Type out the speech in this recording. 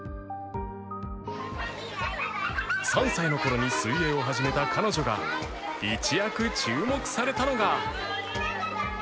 ３歳の頃に水泳を始めた彼女が一躍注目されたのが